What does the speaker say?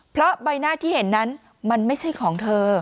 เพราะใบหน้าที่เห็นนั้นมันไม่ใช่ของเธอ